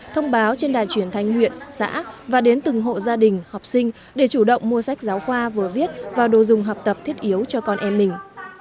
thông báo trên đài truyền thanh huyện xã và đến từng hộ gia đình học sinh để chủ động mua sách giáo khoa vừa viết và đồ dùng học tập thiết yếu cho con em mình